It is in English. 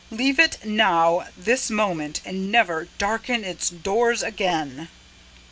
Leave it, now, this moment, and never darken its doors again!"